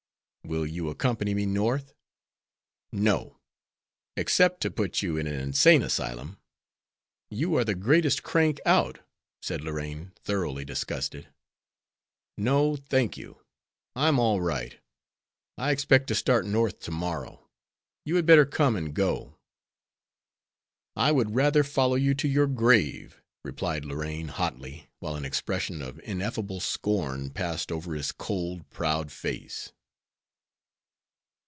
"Will you accompany me North?" "No; except to put you in an insane asylum. You are the greatest crank out," said Lorraine, thoroughly disgusted. "No, thank you; I'm all right. I expect to start North to morrow. You had better come and go." "I would rather follow you to your grave," replied Lorraine, hotly, while an expression of ineffable scorn passed over his cold, proud face.